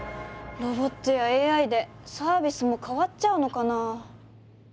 ロボットやＡＩでサービスも変わっちゃうのかな？